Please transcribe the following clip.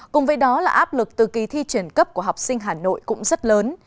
cùng với đó là áp lực từ kỳ thi chuyển cấp của học sinh hà nội cũng rất lớn